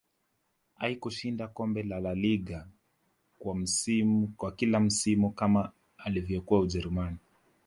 haikushinda kombe lalaliga kwa kila msimu kama alivyokuwa ujerumani